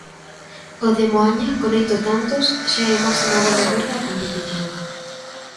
O de Moaña, con oito tantos, xa é o máximo goleador da competición.